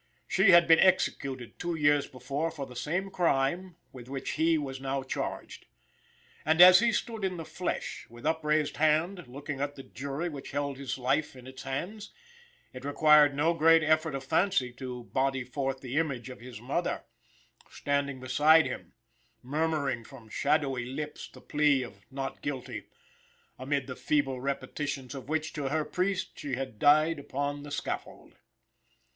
She had been executed two years before for the same crime with which he was now charged. And, as he stood in the flesh, with upraised hand, looking at the jury which held his life in its hands, it required no great effort of fancy to body forth the image of his mother, standing beside him, murmuring from shadowy lips the plea of not guilty, amid the feeble repetitions of which, to her priest, she had died upon the scaffold.